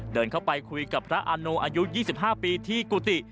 เดินเข้าไปคุยกับพระอาโนอายุ๒๕ปีที่กุฏิ